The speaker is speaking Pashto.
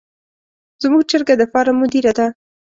زموږ چرګه د فارم مدیره ده.